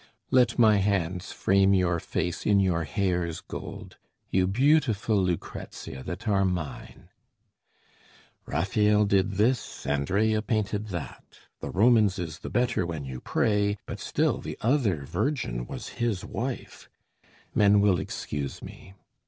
Let my hands frame your face in your hair's gold, You beautiful Lucrezia that are mine! "Rafael did this, Andrea painted that; The Roman's is the better when you pray, But still the other Virgin was his wife" Men will excuse me.